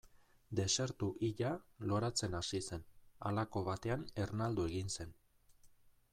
Desertu hila loratzen hasi zen, halako batean ernaldu egin zen.